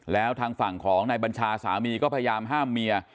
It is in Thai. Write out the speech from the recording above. แล้วทางฝั่งของนายบัญชาสามีก็พยายามห้ามเมีย